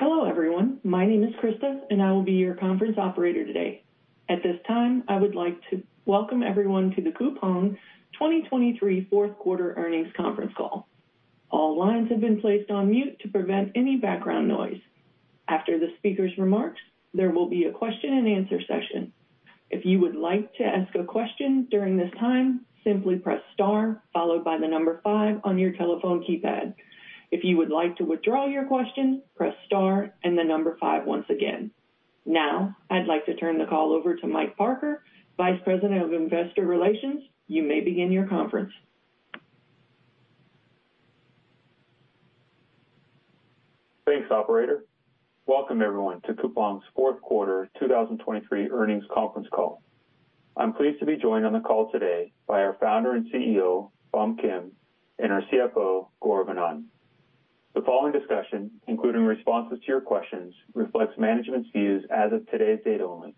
Hello, everyone. My name is Krista, and I will be your conference operator today. At this time, I would like to welcome everyone to the Coupang's 2023 fourth quarter earnings conference call. All lines have been placed on mute to prevent any background noise. After the speaker's remarks, there will be a question-and-answer session. If you would like to ask a question during this time, simply press star followed by the number five on your telephone keypad. If you would like to withdraw your question, press star and the number five once again. Now, I'd like to turn the call over to Mike Parker, Vice President of Investor Relations. You may begin your conference. Thanks, operator. Welcome, everyone, to Coupang's fourth quarter 2023 earnings conference call. I'm pleased to be joined on the call today by our founder and CEO, Bom Kim, and our CFO, Gaurav Anand. The following discussion, including responses to your questions, reflects management's views as of today's date only.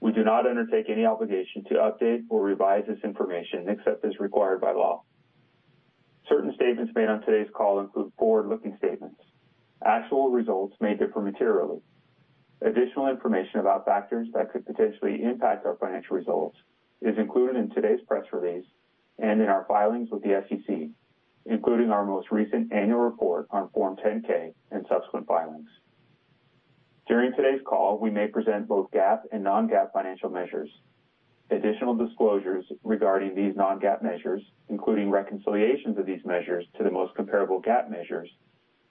We do not undertake any obligation to update or revise this information, except as required by law. Certain statements made on today's call include forward-looking statements. Actual results may differ materially. Additional information about factors that could potentially impact our financial results is included in today's press release and in our filings with the SEC, including our most recent annual report on Form 10-K and subsequent filings. During today's call, we may present both GAAP and non-GAAP financial measures. Additional disclosures regarding these non-GAAP measures, including reconciliations of these measures to the most comparable GAAP measures,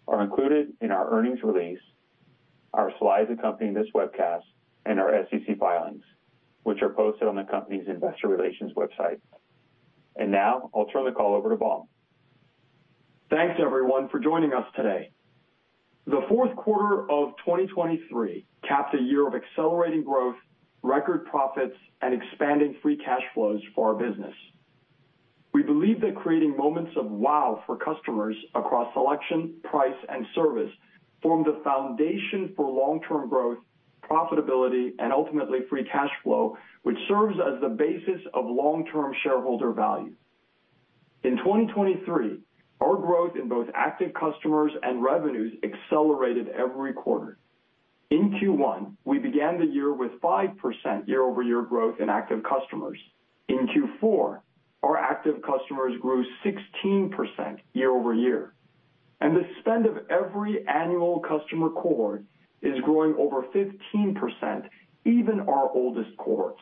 are included in our earnings release, our slides accompanying this webcast, and our SEC filings, which are posted on the company's investor relations website. Now I'll turn the call over to Bom. Thanks, everyone, for joining us today. The fourth quarter of 2023 caps a year of accelerating growth, record profits, and expanding free cash flows for our business. We believe that creating moments of wow for customers across selection, price, and service form the foundation for long-term growth, profitability, and ultimately, free cash flow, which serves as the basis of long-term shareholder value. In 2023, our growth in both active customers and revenues accelerated every quarter. In Q1, we began the year with 5% year-over-year growth in active customers. In Q4, our active customers grew 16% year-over-year, and the spend of every annual customer cohort is growing over 15%, even our oldest cohorts.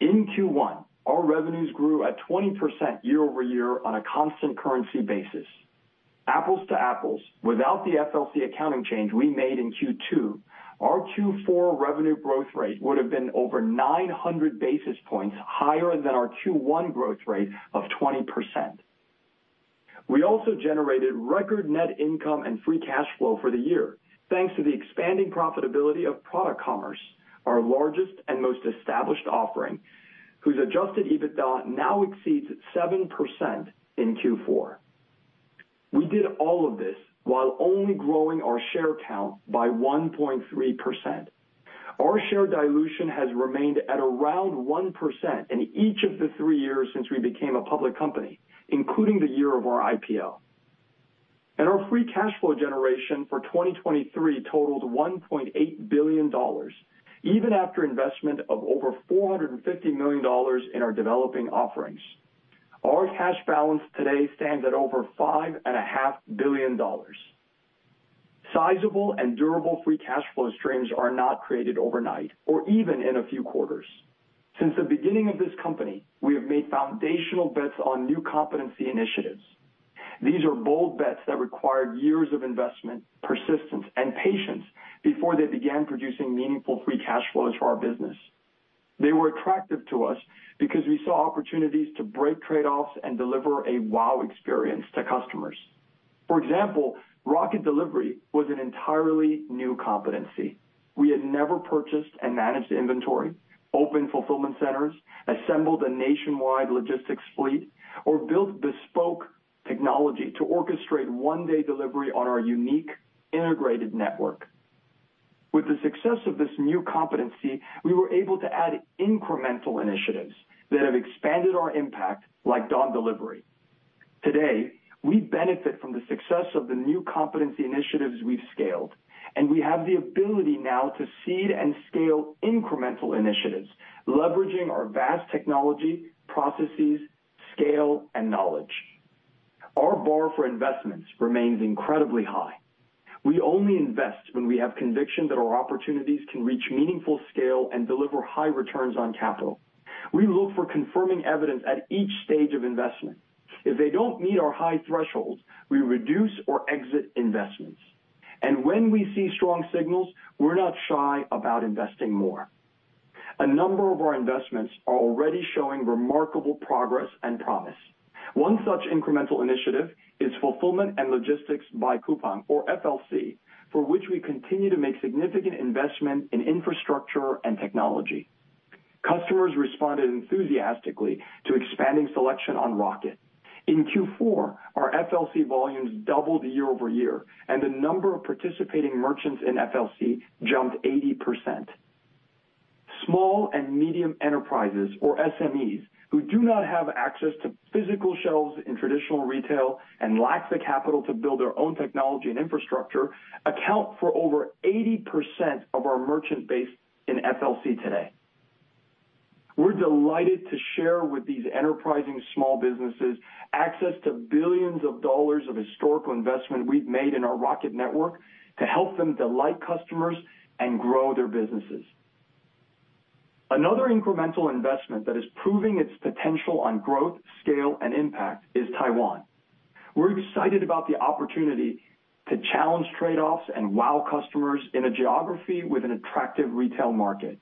In Q1, our revenues grew at 20% year-over-year on a constant currency basis. Apples to apples, without the FLC accounting change we made in Q2, our Q4 revenue growth rate would have been over 900 basis points higher than our Q1 growth rate of 20%. We also generated record net income and free cash flow for the year, thanks to the expanding profitability of product commerce, our largest and most established offering, whose adjusted EBITDA now exceeds 7% in Q4. We did all of this while only growing our share count by 1.3%. Our share dilution has remained at around 1% in each of the 3 years since we became a public company, including the year of our IPO. Our free cash flow generation for 2023 totaled $1.8 billion, even after investment of over $450 million in our developing offerings. Our cash balance today stands at over $5.5 billion. Sizable and durable Free Cash Flow streams are not created overnight or even in a few quarters. Since the beginning of this company, we have made foundational bets on new competency initiatives. These are bold bets that required years of investment, persistence and patience before they began producing meaningful Free Cash Flows for our business. They were attractive to us because we saw opportunities to break trade-offs and deliver a Wow experience to customers. For example, Rocket Delivery was an entirely new competency. We had never purchased and managed inventory, opened fulfillment centers, assembled a nationwide logistics fleet, or built bespoke technology to orchestrate one-day delivery on our unique integrated network. With the success of this new competency, we were able to add incremental initiatives that have expanded our impact, like Dawn Delivery. Today, we benefit from the success of the new competency initiatives we've scaled, and we have the ability now to seed and scale incremental initiatives, leveraging our vast technology, processes, scale, and knowledge. Our bar for investments remains incredibly high. We only invest when we have conviction that our opportunities can reach meaningful scale and deliver high returns on capital. We look for confirming evidence at each stage of investment. If they don't meet our high thresholds, we reduce or exit investments. When we see strong signals, we're not shy about investing more. A number of our investments are already showing remarkable progress and promise. One such incremental initiative is Fulfillment and Logistics by Coupang, or FLC, for which we continue to make significant investment in infrastructure and technology. Customers responded enthusiastically to expanding selection on Rocket. In Q4, our FLC volumes doubled year-over-year, and the number of participating merchants in FLC jumped 80%.... Small and medium enterprises, or SMEs, who do not have access to physical shelves in traditional retail and lack the capital to build their own technology and infrastructure, account for over 80% of our merchant base in FLC today. We're delighted to share with these enterprising small businesses access to billions of dollars of historical investment we've made in our Rocket network to help them delight customers and grow their businesses. Another incremental investment that is proving its potential on growth, scale, and impact is Taiwan. We're excited about the opportunity to challenge trade-offs and wow customers in a geography with an attractive retail market.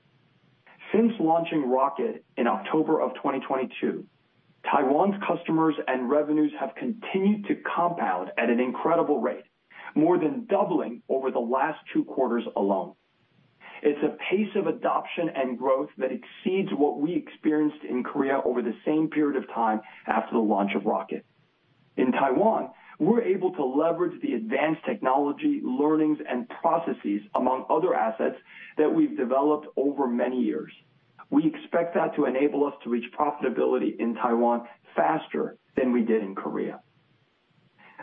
Since launching Rocket in October 2022, Taiwan's customers and revenues have continued to compound at an incredible rate, more than doubling over the last two quarters alone. It's a pace of adoption and growth that exceeds what we experienced in Korea over the same period of time after the launch of Rocket. In Taiwan, we're able to leverage the advanced technology, learnings, and processes, among other assets, that we've developed over many years. We expect that to enable us to reach profitability in Taiwan faster than we did in Korea.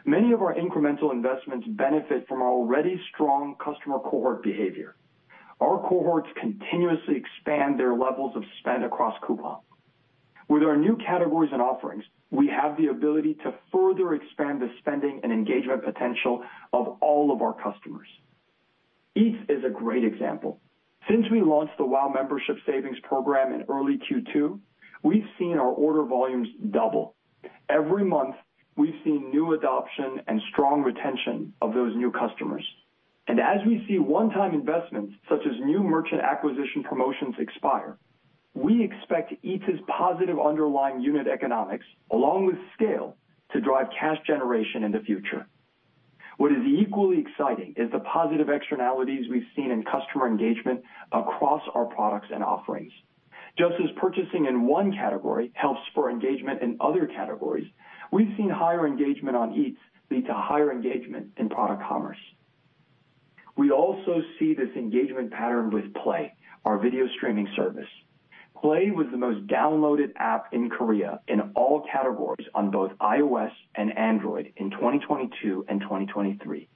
Many of our incremental investments benefit from our already strong customer cohort behavior. Our cohorts continuously expand their levels of spend across Coupang. With our new categories and offerings, we have the ability to further expand the spending and engagement potential of all of our customers. Eats is a great example. Since we launched the Wow Membership savings program in early Q2, we've seen our order volumes double. Every month, we've seen new adoption and strong retention of those new customers. And as we see one-time investments, such as new merchant acquisition promotions expire, we expect Eats' positive underlying unit economics, along with scale, to drive cash generation in the future. What is equally exciting is the positive externalities we've seen in customer engagement across our products and offerings. Just as purchasing in one category helps spur engagement in other categories, we've seen higher engagement on Eats lead to higher engagement in product commerce. We also see this engagement pattern with Play, our video streaming service. Play was the most downloaded app in Korea in all categories on both iOS and Android in 2022 and 2023.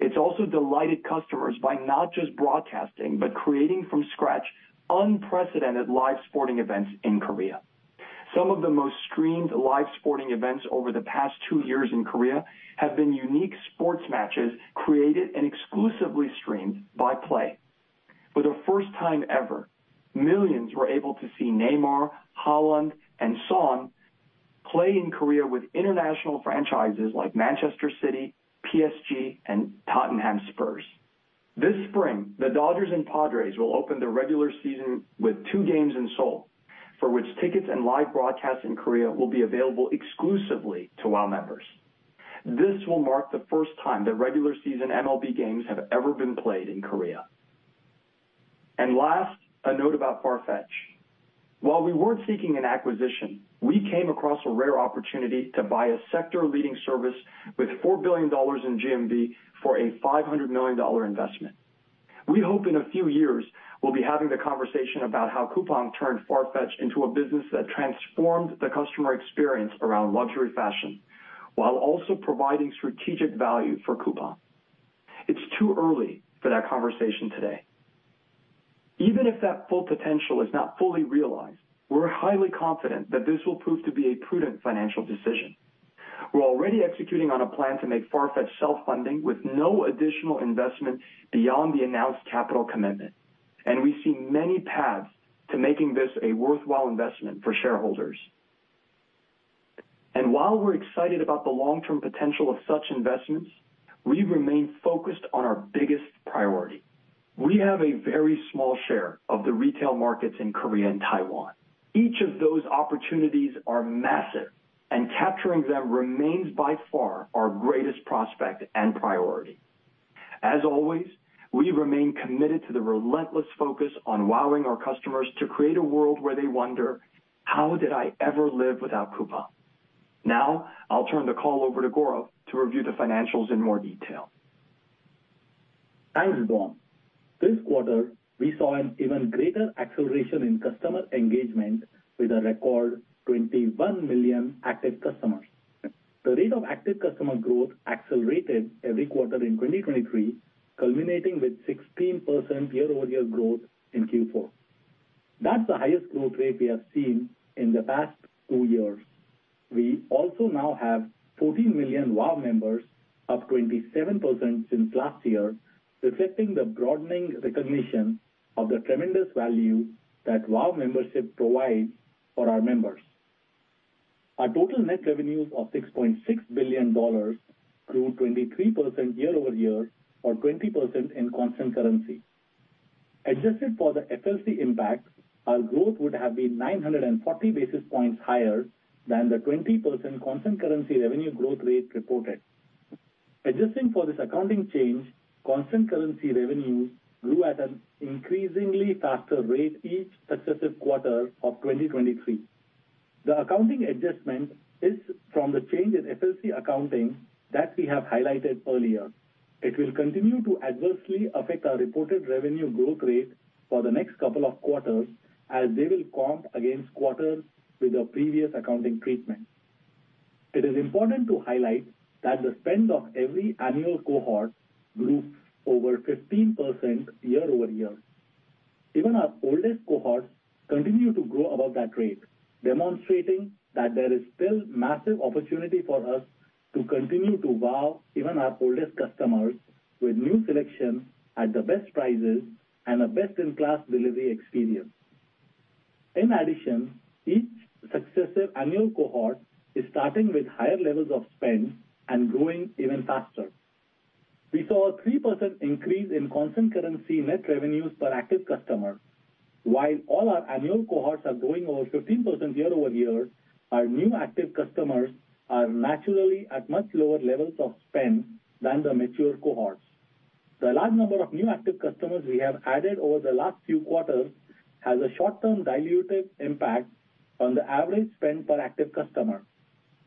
It's also delighted customers by not just broadcasting, but creating from scratch unprecedented live sporting events in Korea. Some of the most streamed live sporting events over the past two years in Korea have been unique sports matches created and exclusively streamed by Play. For the first time ever, millions were able to see Neymar, Haaland, and Son play in Korea with international franchises like Manchester City, PSG, and Tottenham Spurs. This spring, the Dodgers and Padres will open the regular season with two games in Seoul, for which tickets and live broadcasts in Korea will be available exclusively to Wow members. This will mark the first time that regular season MLB games have ever been played in Korea. Last, a note about Farfetch. While we weren't seeking an acquisition, we came across a rare opportunity to buy a sector-leading service with $4 billion in GMV for a $500 million investment. We hope in a few years we'll be having the conversation about how Coupang turned Farfetch into a business that transformed the customer experience around luxury fashion, while also providing strategic value for Coupang. It's too early for that conversation today. Even if that full potential is not fully realized, we're highly confident that this will prove to be a prudent financial decision. We're already executing on a plan to make Farfetch self-funding with no additional investment beyond the announced capital commitment, and we see many paths to making this a worthwhile investment for shareholders. And while we're excited about the long-term potential of such investments, we remain focused on our biggest priority. We have a very small share of the retail markets in Korea and Taiwan. Each of those opportunities are massive, and capturing them remains by far our greatest prospect and priority. As always, we remain committed to the relentless focus on wowing our customers to create a world where they wonder: How did I ever live without Coupang? Now, I'll turn the call over to Gaurav to review the financials in more detail. Thanks, Bom. This quarter, we saw an even greater acceleration in customer engagement with a record 21 million active customers. The rate of active customer growth accelerated every quarter in 2023, culminating with 16% year-over-year growth in Q4. That's the highest growth rate we have seen in the past 2 years. We also now have 14 million Wow members, up 27% since last year, reflecting the broadening recognition of the tremendous value that Wow membership provides for our members. Our total net revenues of $6.6 billion grew 23% year-over-year or 20% in constant currency. Adjusted for the FLC impact, our growth would have been 940 basis points higher than the 20% constant currency revenue growth rate reported. Adjusting for this accounting change, constant currency revenues grew at an increasingly faster rate each successive quarter of 2023. The accounting adjustment is from the change in FLC accounting that we have highlighted earlier. It will continue to adversely affect our reported revenue growth rate for the next couple of quarters, as they will comp against quarters with the previous accounting treatment. It is important to highlight that the spend of every annual cohort grew over 15% year-over-year. Even our oldest cohorts continue to grow above that rate, demonstrating that there is still massive opportunity for us to continue to wow even our oldest customers with new selection at the best prices and a best-in-class delivery experience. In addition, each successive annual cohort is starting with higher levels of spend and growing even faster. We saw a 3% increase in constant currency net revenues per active customer. While all our annual cohorts are growing over 15% year-over-year, our new active customers are naturally at much lower levels of spend than the mature cohorts. The large number of new active customers we have added over the last few quarters has a short-term dilutive impact on the average spend per active customer.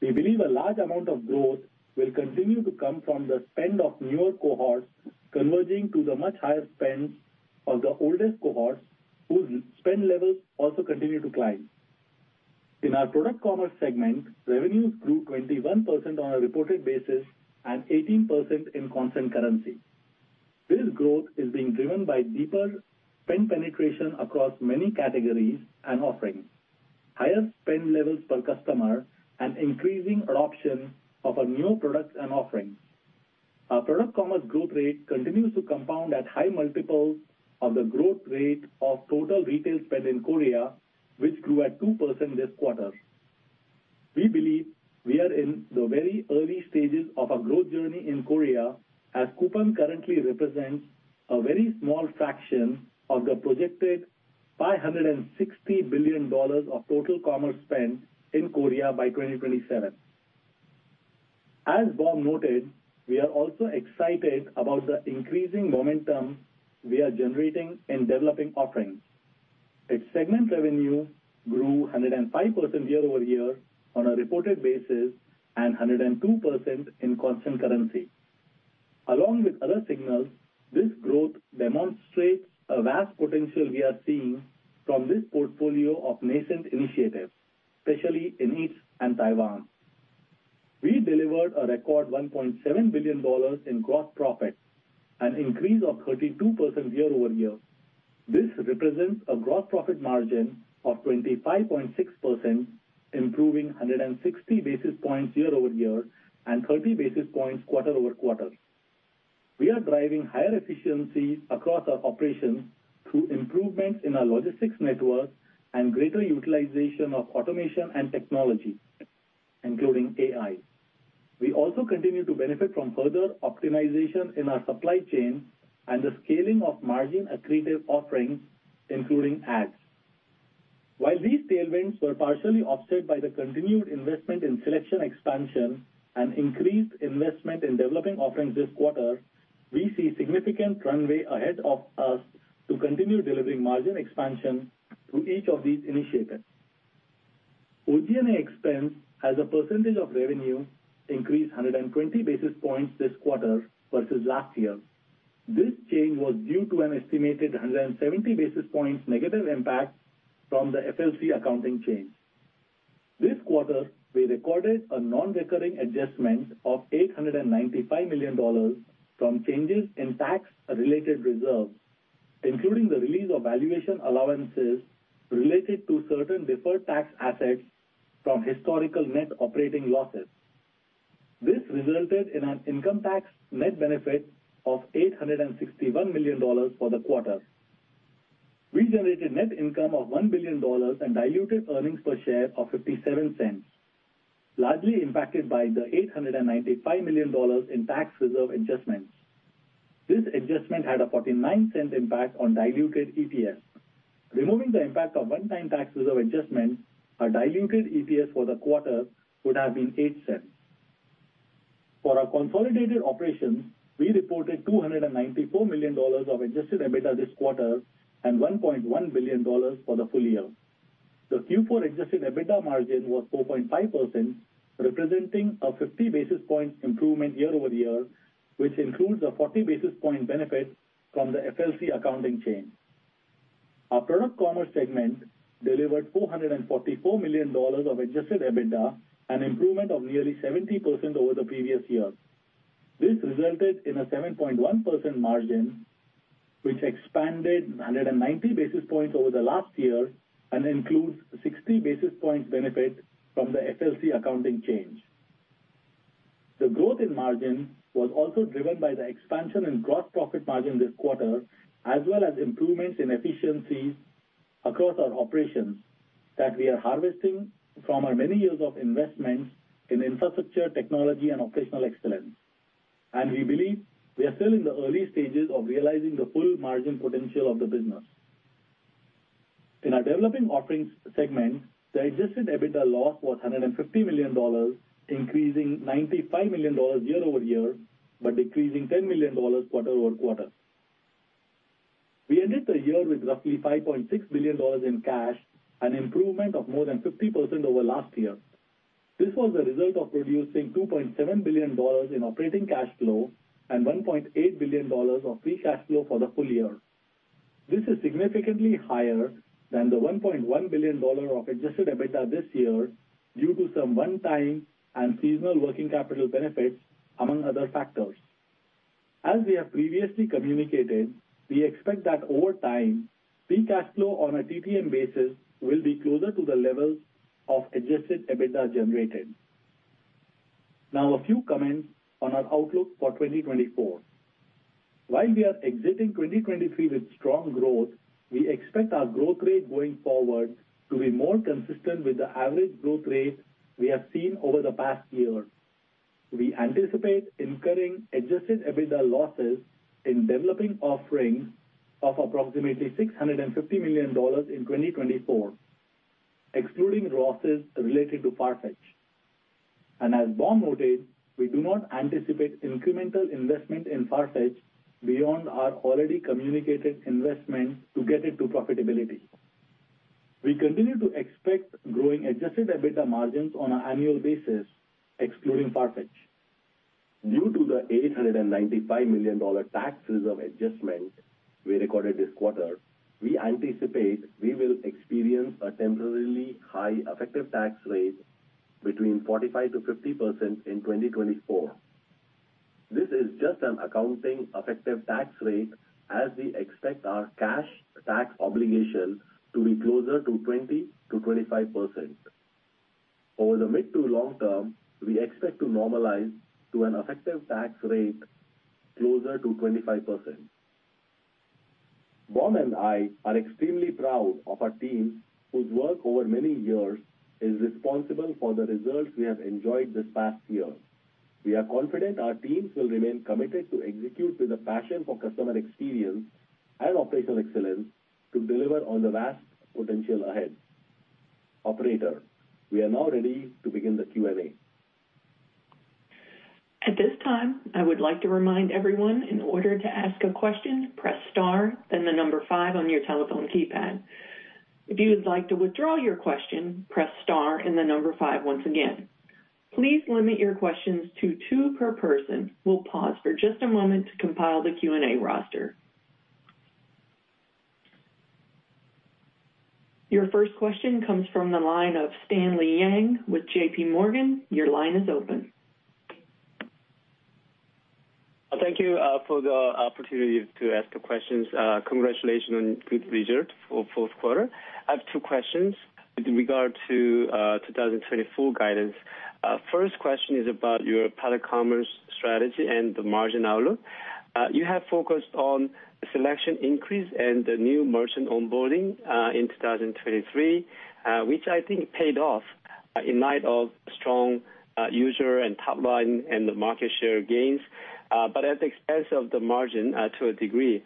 We believe a large amount of growth will continue to come from the spend of newer cohorts, converging to the much higher spends of the oldest cohorts, whose spend levels also continue to climb. In our Product Commerce segment, revenues grew 21% on a reported basis and 18% in constant currency. This growth is being driven by deeper spend penetration across many categories and offerings, higher spend levels per customer, and increasing adoption of our new products and offerings. Our Product Commerce growth rate continues to compound at high multiples of the growth rate of total retail spend in Korea, which grew at 2% this quarter. We believe we are in the very early stages of a growth journey in Korea, as Coupang currently represents a very small fraction of the projected $560 billion of total commerce spend in Korea by 2027. As Bom noted, we are also excited about the increasing momentum we are generating in developing offerings. Its segment revenue grew 105% year-over-year on a reported basis and 102% in constant currency. Along with other signals, this growth demonstrates a vast potential we are seeing from this portfolio of nascent initiatives, especially in Eats and Taiwan. We delivered a record $1.7 billion in gross profit, an increase of 32% year-over-year. This represents a gross profit margin of 25.6%, improving 160 basis points year-over-year and 30 basis points quarter-over-quarter. We are driving higher efficiencies across our operations through improvements in our logistics network and greater utilization of automation and technology, including AI. We also continue to benefit from further optimization in our supply chain and the scaling of margin-accretive offerings, including ads. While these tailwinds were partially offset by the continued investment in selection expansion and increased investment in developing offerings this quarter, we see significant runway ahead of us to continue delivering margin expansion through each of these initiatives. OG&A expense as a percentage of revenue increased 120 basis points this quarter versus last year. This change was due to an estimated 170 basis points negative impact from the FLC accounting change. This quarter, we recorded a non-recurring adjustment of $895 million from changes in tax-related reserves, including the release of valuation allowances related to certain deferred tax assets from historical net operating losses. This resulted in an income tax net benefit of $861 million for the quarter. We generated net income of $1 billion and diluted earnings per share of $0.57, largely impacted by the $895 million in tax reserve adjustments. This adjustment had a $0.49 impact on diluted EPS. Removing the impact of one-time tax reserve adjustments, our diluted EPS for the quarter would have been $0.08. For our consolidated operations, we reported $294 million of adjusted EBITDA this quarter and $1.1 billion for the full year. The Q4 adjusted EBITDA margin was 4.5%, representing a 50 basis points improvement year-over-year, which includes a 40 basis point benefit from the FLC accounting change. Our Product Commerce segment delivered $444 million of adjusted EBITDA, an improvement of nearly 70% over the previous year. This resulted in a 7.1% margin, which expanded 190 basis points over the last year and includes 60 basis points benefit from the FLC accounting change. The growth in margin was also driven by the expansion in gross profit margin this quarter, as well as improvements in efficiencies across our operations, that we are harvesting from our many years of investments in infrastructure, technology, and operational excellence. We believe we are still in the early stages of realizing the full margin potential of the business. In our developing offerings segment, the Adjusted EBITDA loss was $150 million, increasing $95 million year-over-year, but decreasing $10 million quarter-over-quarter. We ended the year with roughly $5.6 billion in cash, an improvement of more than 50% over last year. This was a result of producing $2.7 billion in operating cash flow and $1.8 billion of free cash flow for the full year. This is significantly higher than the $1.1 billion of Adjusted EBITDA this year, due to some one-time and seasonal working capital benefits, among other factors. As we have previously communicated, we expect that over time, free cash flow on a TTM basis will be closer to the levels of Adjusted EBITDA generated. Now, a few comments on our outlook for 2024. While we are exiting 2023 with strong growth, we expect our growth rate going forward to be more consistent with the average growth rate we have seen over the past year. We anticipate incurring Adjusted EBITDA losses in developing offerings of approximately $650 million in 2024, excluding losses related to Farfetch. As Bom noted, we do not anticipate incremental investment in Farfetch beyond our already communicated investment to get it to profitability. We continue to expect growing Adjusted EBITDA margins on an annual basis, excluding Farfetch. Due to the $895 million tax reserve adjustment we recorded this quarter, we anticipate we will experience a temporarily high effective tax rate between 45%-50% in 2024. This is just an accounting effective tax rate as we expect our cash tax obligation to be closer to 20%-25%. Over the mid to long term, we expect to normalize to an effective tax rate closer to 25%. Bom and I are extremely proud of our teams, whose work over many years is responsible for the results we have enjoyed this past year. We are confident our teams will remain committed to execute with a passion for customer experience and operational excellence to deliver on the vast potential ahead. Operator, we are now ready to begin the Q&A. At this time, I would like to remind everyone, in order to ask a question, press star, then the number five on your telephone keypad. If you would like to withdraw your question, press star and the number five once again. Please limit your questions to two per person. We'll pause for just a moment to compile the Q&A roster. Your first question comes from the line of Stanley Yang with J.P. Morgan. Your line is open. Thank you for the opportunity to ask the questions. Congratulations on good results for fourth quarter. I have two questions with regard to 2024 guidance. First question is about your product commerce strategy and the margin outlook. You have focused on selection increase and the new merchant onboarding in 2023, which I think paid off in light of strong user and top line and the market share gains, but at the expense of the margin to a degree.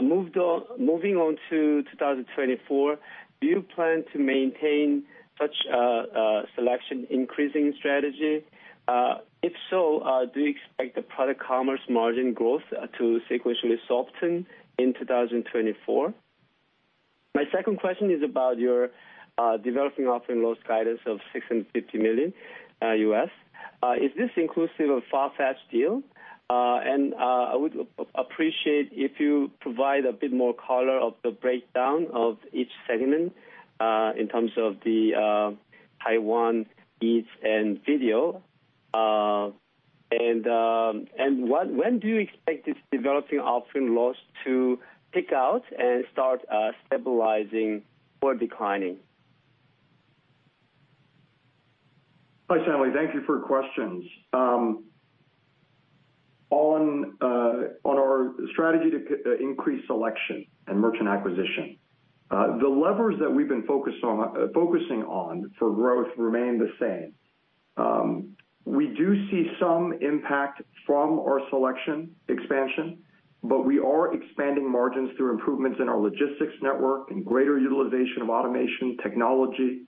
Moving on to 2024, do you plan to maintain such a selection increasing strategy? If so, do you expect the product commerce margin growth to sequentially soften in 2024? My second question is about your developing offering loss guidance of $650 million US. Is this inclusive of Farfetch deal? I would appreciate if you provide a bit more color of the breakdown of each segment in terms of the Taiwan, Eats, and Video. And when do you expect this developing offering loss to peak out and start stabilizing or declining? Hi, Stanley. Thank you for your questions. On our strategy to increase selection and merchant acquisition, the levers that we've been focused on, focusing on for growth remain the same. We do see some impact from our selection expansion, but we are expanding margins through improvements in our logistics network and greater utilization of automation technology,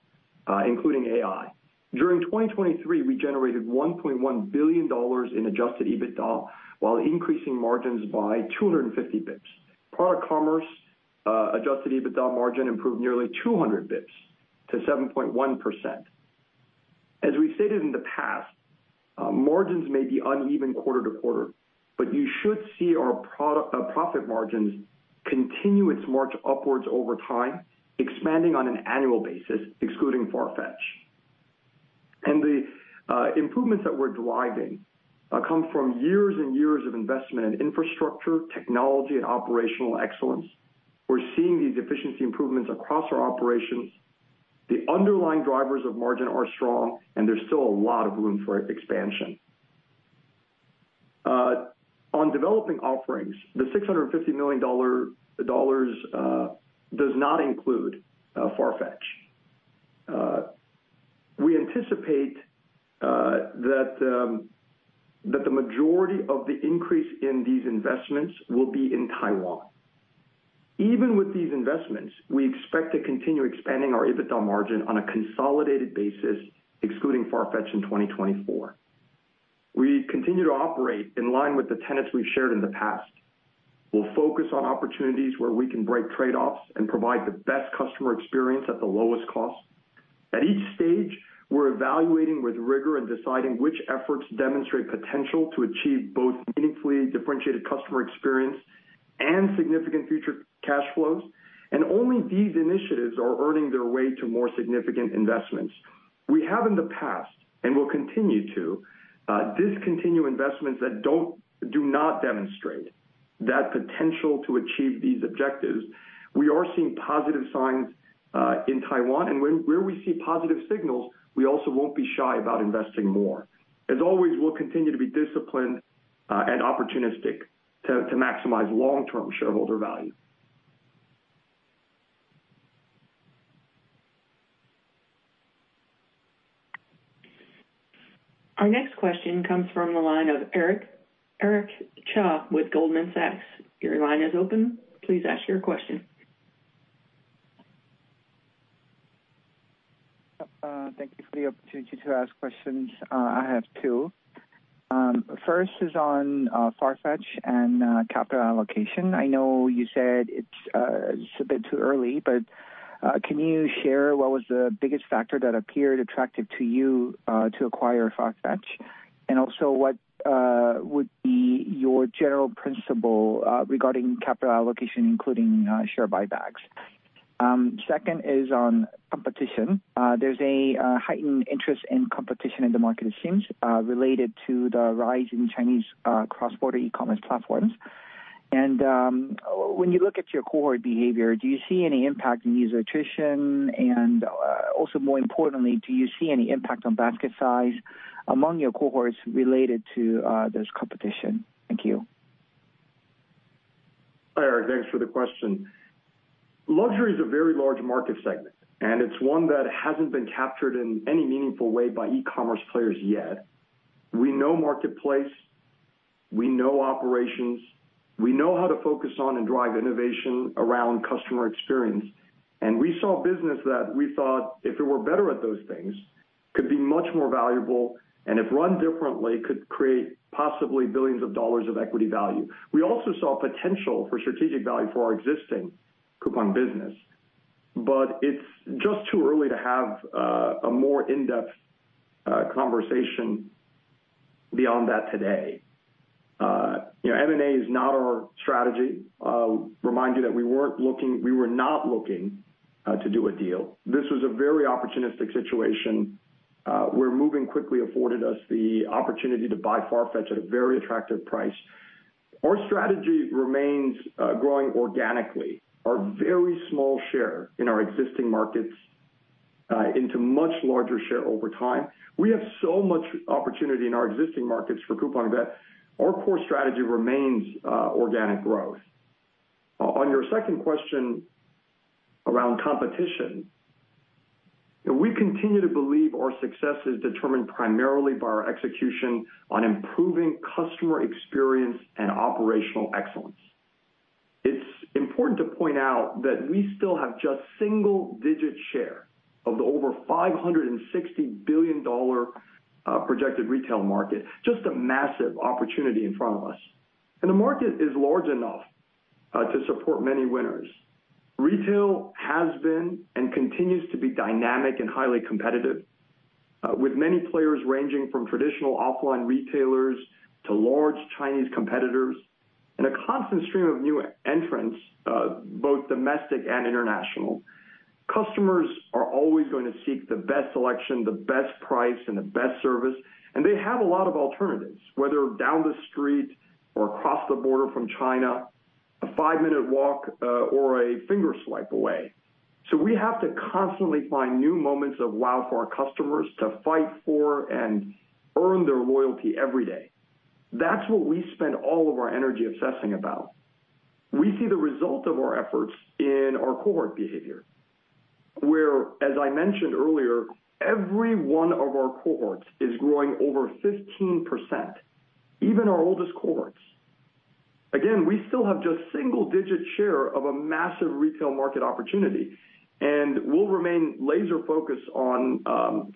including AI. During 2023, we generated $1.1 billion in adjusted EBITDA, while increasing margins by 250 basis points. Product commerce adjusted EBITDA margin improved nearly 200 basis points to 7.1%. As we've stated in the past, margins may be uneven quarter to quarter, but you should see our product profit margins continue its march upwards over time, expanding on an annual basis, excluding Farfetch. The improvements that we're driving come from years and years of investment in infrastructure, technology, and operational excellence. We're seeing these efficiency improvements across our operations. The underlying drivers of margin are strong, and there's still a lot of room for expansion. On developing offerings, the $650 million does not include Farfetch. We anticipate that the majority of the increase in these investments will be in Taiwan. Even with these investments, we expect to continue expanding our EBITDA margin on a consolidated basis, excluding Farfetch in 2024. We continue to operate in line with the tenets we've shared in the past. We'll focus on opportunities where we can break trade-offs and provide the best customer experience at the lowest cost. At each stage, we're evaluating with rigor and deciding which efforts demonstrate potential to achieve both meaningfully differentiated customer experience and significant future cash flows, and only these initiatives are earning their way to more significant investments. We have in the past, and will continue to, discontinue investments that do not demonstrate that potential to achieve these objectives. We are seeing positive signs in Taiwan, and where we see positive signals, we also won't be shy about investing more. As always, we'll continue to be disciplined and opportunistic to maximize long-term shareholder value. Our next question comes from the line of Eric. Eric Cha with Goldman Sachs. Your line is open. Please ask your question. Thank you for the opportunity to ask questions. I have two. First is on Farfetch and capital allocation. I know you said it's a bit too early, but can you share what was the biggest factor that appeared attractive to you to acquire Farfetch? And also, what would be your general principle regarding capital allocation, including share buybacks? Second is on competition. There's a heightened interest in competition in the market, it seems, related to the rise in Chinese cross-border e-commerce platforms. And when you look at your cohort behavior, do you see any impact in user attrition? And also more importantly, do you see any impact on basket size among your cohorts related to this competition? Thank you. Hi, Eric, thanks for the question. Luxury is a very large market segment, and it's one that hasn't been captured in any meaningful way by e-commerce players yet. We know marketplace, we know operations, we know how to focus on and drive innovation around customer experience, and we saw a business that we thought, if it were better at those things, could be much more valuable, and if run differently, could create possibly billions of dollars of equity value. We also saw potential for strategic value for our existing Coupang business, but it's just too early to have a more in-depth conversation beyond that today. You know, M&A is not our strategy. Remind you that we weren't looking, we were not looking to do a deal. This was a very opportunistic situation. Where moving quickly afforded us the opportunity to buy Farfetch at a very attractive price. Our strategy remains, growing organically, our very small share in our existing markets, into much larger share over time. We have so much opportunity in our existing markets for Coupang that our core strategy remains, organic growth. On your second question around competition, we continue to believe our success is determined primarily by our execution on improving customer experience and operational excellence. It's important to point out that we still have just single-digit share of the over $560 billion projected retail market, just a massive opportunity in front of us. And the market is large enough, to support many winners. Retail has been and continues to be dynamic and highly competitive, with many players ranging from traditional offline retailers to large Chinese competitors and a constant stream of new entrants, both domestic and international. Customers are always going to seek the best selection, the best price, and the best service, and they have a lot of alternatives, whether down the street or across the border from China, a five-minute walk, or a finger swipe away. So we have to constantly find new moments of wow for our customers to fight for and earn their loyalty every day. That's what we spend all of our energy obsessing about. We see the result of our efforts in our cohort behavior, where, as I mentioned earlier, every one of our cohorts is growing over 15%, even our oldest cohorts. Again, we still have just single-digit share of a massive retail market opportunity, and we'll remain laser focused on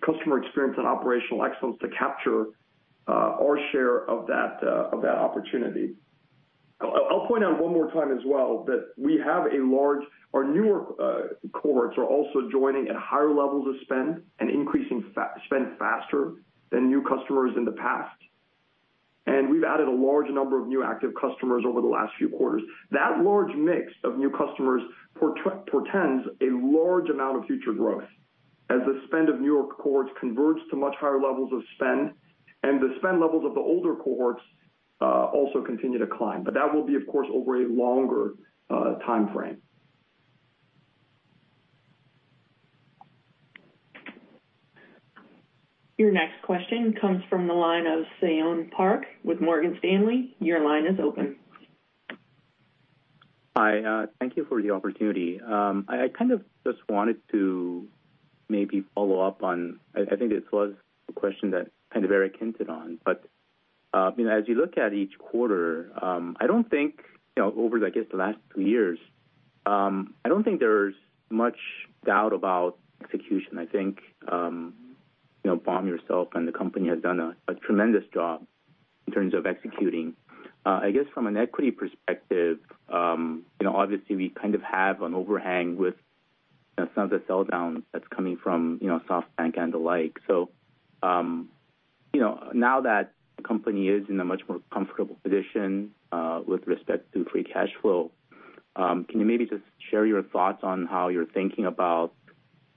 customer experience and operational excellence to capture our share of that opportunity. I'll point out one more time as well, that we have a large... Our newer cohorts are also joining at higher levels of spend and increasing spend faster than new customers in the past. And we've added a large number of new active customers over the last few quarters. That large mix of new customers portends a large amount of future growth as the spend of newer cohorts converts to much higher levels of spend, and the spend levels of the older cohorts also continue to climb. But that will be, of course, over a longer time frame. Your next question comes from the line of Seyon Park with Morgan Stanley. Your line is open. Hi, thank you for the opportunity. I kind of just wanted to maybe follow up on, I think this was a question that kind of Eric hinted on, but, you know, as you look at each quarter, I don't think, you know, over, I guess, the last two years-... I don't think there's much doubt about execution. I think, you know, Bom, yourself, and the company has done a tremendous job in terms of executing. I guess from an equity perspective, you know, obviously, we kind of have an overhang with some of the sell down that's coming from, you know, SoftBank and the like. So, you know, now that the company is in a much more comfortable position, with respect to free cash flow, can you maybe just share your thoughts on how you're thinking about,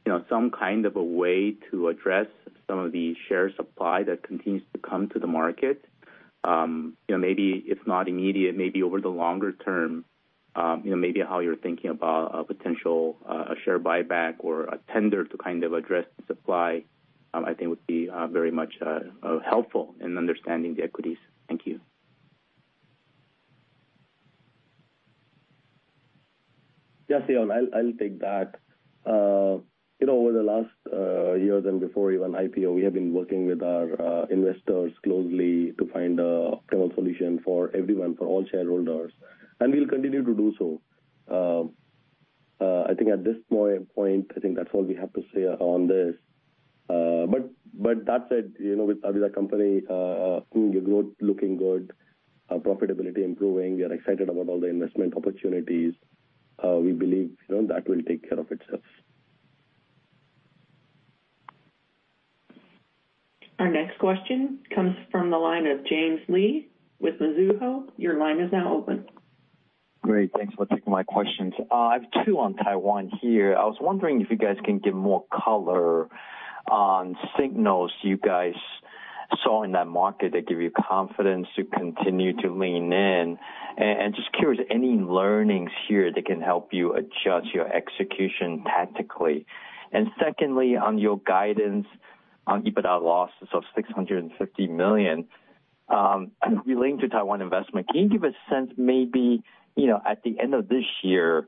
you know, some kind of a way to address some of the share supply that continues to come to the market? You know, maybe if not immediate, maybe over the longer term, you know, maybe how you're thinking about a potential share buyback or a tender to kind of address the supply, I think would be very much helpful in understanding the equities. Thank you. Yeah, Seyon, I'll take that. You know, over the last years and before even IPO, we have been working with our investors closely to find a optimal solution for everyone, for all shareholders, and we'll continue to do so. I think at this point, I think that's all we have to say on this. But that said, you know, with the company seeing the growth looking good, our profitability improving, we are excited about all the investment opportunities. We believe, you know, that will take care of itself. Our next question comes from the line of James Lee with Mizuho. Your line is now open. Great, thanks for taking my questions. I have two on Taiwan here. I was wondering if you guys can give more color on signals you guys saw in that market that give you confidence to continue to lean in. And just curious, any learnings here that can help you adjust your execution tactically? And secondly, on your guidance on EBITDA losses of $650 million, relating to Taiwan investment, can you give a sense maybe, you know, at the end of this year,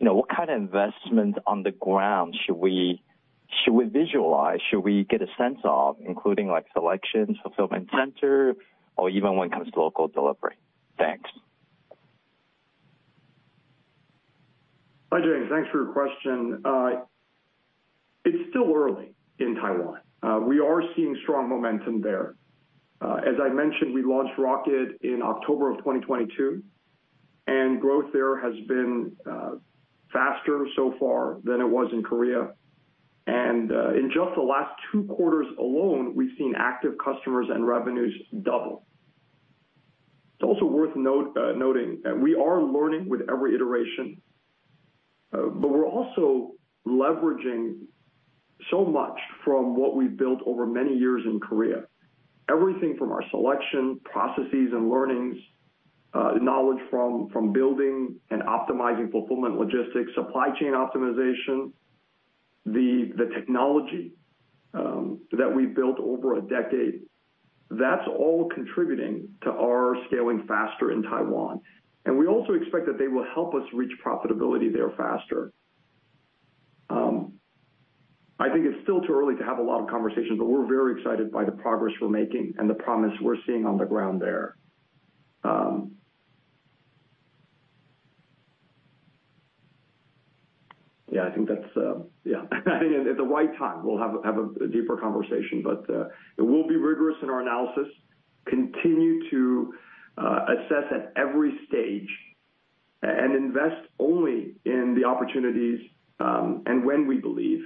you know, what kind of investment on the ground should we, should we visualize, should we get a sense of, including, like, selection, fulfillment center, or even when it comes to local delivery? Thanks. Hi, James. Thanks for your question. It's still early in Taiwan. We are seeing strong momentum there. As I mentioned, we launched Rocket in October 2022, and growth there has been faster so far than it was in Korea. In just the last two quarters alone, we've seen active customers and revenues double. It's also worth noting that we are learning with every iteration, but we're also leveraging so much from what we've built over many years in Korea. Everything from our selection, processes, and learnings, knowledge from building and optimizing fulfillment, logistics, supply chain optimization, the technology that we've built over a decade, that's all contributing to our scaling faster in Taiwan. And we also expect that they will help us reach profitability there faster. I think it's still too early to have a lot of conversations, but we're very excited by the progress we're making and the promise we're seeing on the ground there. Yeah, I think that's, yeah. I think at the right time, we'll have a deeper conversation. But, it will be rigorous in our analysis, continue to assess at every stage, and invest only in the opportunities, and when we believe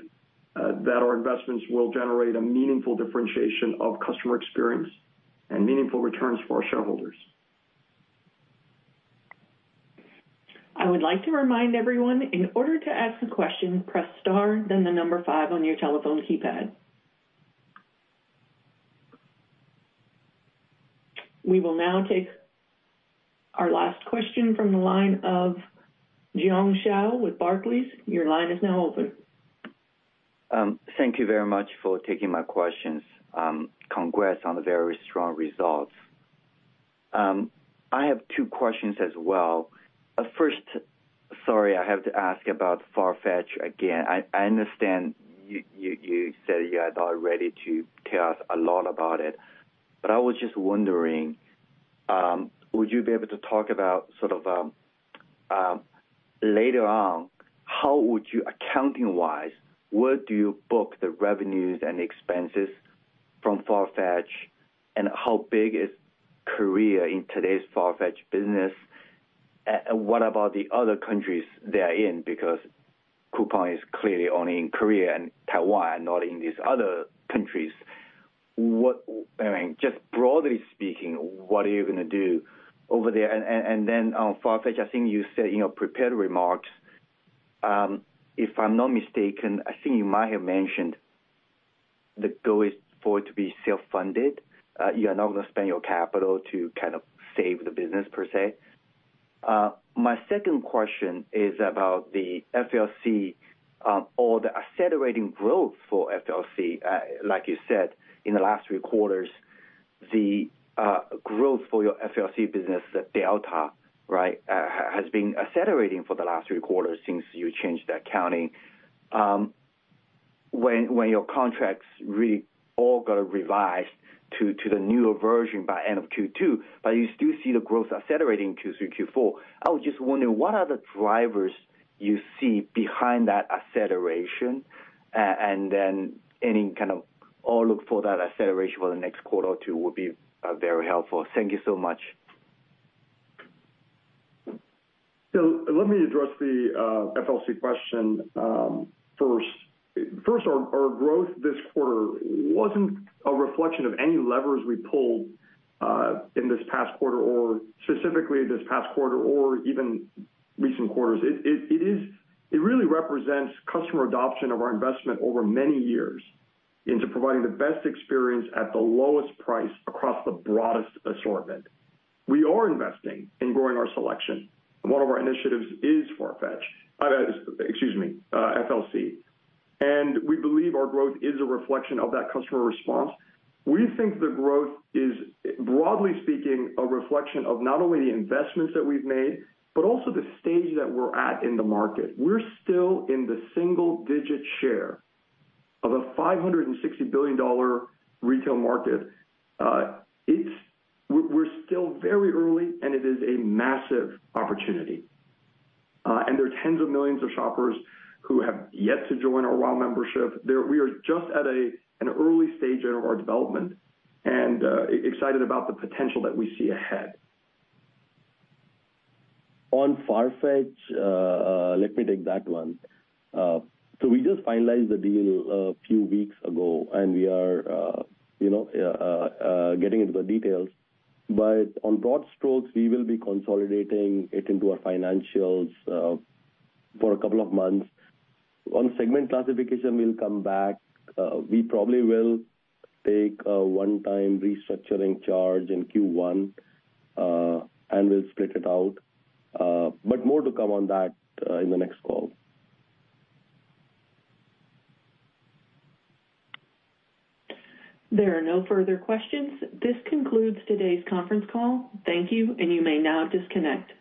that our investments will generate a meaningful differentiation of customer experience and meaningful returns for our shareholders. I would like to remind everyone, in order to ask a question, press star, then the number five on your telephone keypad. We will now take our last question from the line of Jiong Shao with Barclays. Your line is now open. Thank you very much for taking my questions. Congrats on the very strong results. I have two questions as well. First, sorry, I have to ask about Farfetch again. I understand you said you are not ready to tell us a lot about it, but I was just wondering, would you be able to talk about sort of later on, how would you, accounting-wise, where do you book the revenues and expenses from Farfetch, and how big is Korea in today's Farfetch business? And what about the other countries they are in? Because Coupang is clearly only in Korea and Taiwan, not in these other countries. What—I mean, just broadly speaking, what are you gonna do over there? Then on Farfetch, I think you said in your prepared remarks, if I'm not mistaken, I think you might have mentioned the goal is for it to be self-funded. You are not gonna spend your capital to kind of save the business, per se. My second question is about the FLC or the accelerating growth for FLC. Like you said, in the last three quarters, the growth for your FLC business, the delta, right, has been accelerating for the last three quarters since you changed the accounting when your contracts all got revised to the newer version by end of Q2, but you still see the growth accelerating in Q3 and Q4. I was just wondering, what are the drivers you see behind that acceleration? Any kind of outlook for that acceleration for the next quarter or two would be very helpful. Thank you so much. So let me address the FLC question first. First, our growth this quarter wasn't a reflection of any levers we pulled in this past quarter or specifically this past quarter or even recent quarters. It really represents customer adoption of our investment over many years into providing the best experience at the lowest price across the broadest assortment. We are investing in growing our selection, and one of our initiatives is Farfetch, excuse me, FLC. And we believe our growth is a reflection of that customer response. We think the growth is, broadly speaking, a reflection of not only the investments that we've made, but also the stage that we're at in the market. We're still in the single-digit share of a $560 billion retail market. We're still very early, and it is a massive opportunity. And there are tens of millions of shoppers who have yet to join our Wow membership. We are just at an early stage in our development and excited about the potential that we see ahead. On Farfetch, let me take that one. So we just finalized the deal a few weeks ago, and we are, you know, getting into the details. But on broad strokes, we will be consolidating it into our financials, for a couple of months. On segment classification, we'll come back. We probably will take a one-time restructuring charge in Q1, and we'll split it out, but more to come on that, in the next call. There are no further questions. This concludes today's conference call. Thank you, and you may now disconnect.